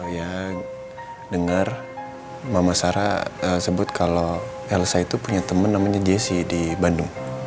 ya dengar mama sarah sebut kalau elsa itu punya temen namanya jesse di bandung